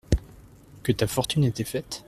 Que ta fortune était faite ?